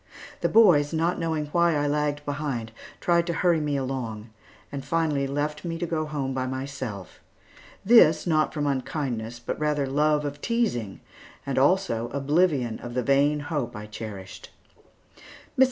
The boys, not knowing why I lagged behind, tried to hurry me along; and finally left me to go home by myself. This, not from unkindness, but rather love of teasing, and also oblivion of the vain hope I cherished. Mrs.